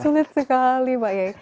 sulit sekali pak ye